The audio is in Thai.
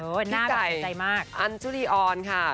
โอ้น่ากลัวเสียใจมากพี่ไก่อันจุฬิออนค่ะ